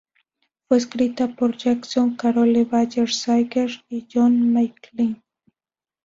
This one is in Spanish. Fue escrita por Jackson, Carole Bayer Sager y John McClain.